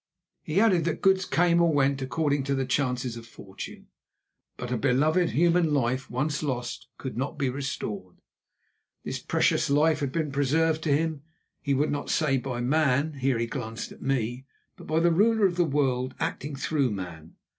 He added that goods came or went according to the chances of fortune, but a beloved human life, once lost, could not be restored. This precious life had been preserved to him, he would not say by man—here he glanced at me—but by the Ruler of the world acting through man.